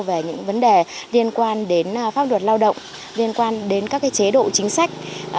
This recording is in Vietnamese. về những vấn đề liên quan đến pháp luật lao động liên quan đến các chế độ chính sách